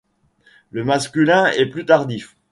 Le masculin est plus tardif.